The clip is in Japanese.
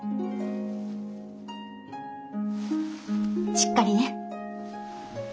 しっかりね。